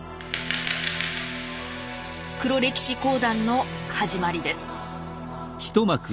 黒歴史講談の始まりです。